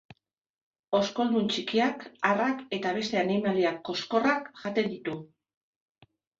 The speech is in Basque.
Oskoldun txikiak, harrak eta beste animalia koskorrak jaten ditu.